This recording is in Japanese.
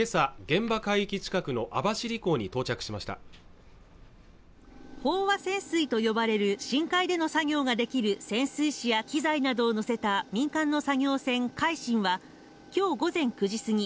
現場海域近くの網走港に到着しました飽和潜水と呼ばれる深海での作業ができる潜水士や機材などを乗せた民間の作業船「海進」は今日午前９時過ぎ